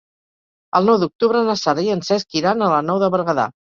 El nou d'octubre na Sara i en Cesc iran a la Nou de Berguedà.